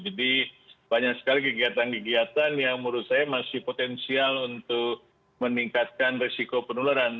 jadi banyak sekali kegiatan kegiatan yang menurut saya masih potensial untuk meningkatkan risiko penularan